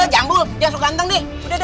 jambul jangan sok ganteng deh